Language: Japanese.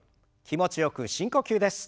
気持ちよく深呼吸です。